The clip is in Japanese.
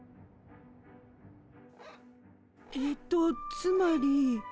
えとつまり。